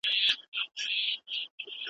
او له یوه ښاخ څخه بل ته غورځو ,